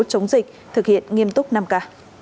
chống dịch thực hiện nghiêm túc năm k